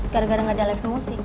gara gara gak ada live music